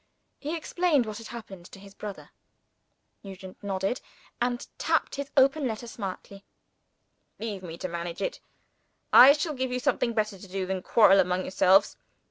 He explained what had happened to his brother. Nugent nodded, and tapped his open letter smartly. "Leave me to manage it. I shall give you something better to do than quarreling among yourselves.